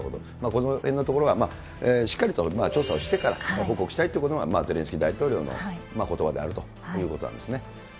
このへんのところは、しっかりと調査をしてから、報告をしたいということが、ゼレンスキー大統領のことばであるということなんですね。